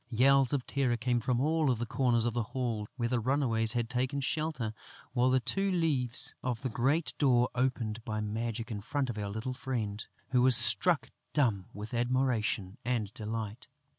Yells of terror came from all the corners of the hall, where the runaways had taken shelter, while the two leaves of the great door opened by magic in front of our little friend, who was struck dumb with admiration and delight.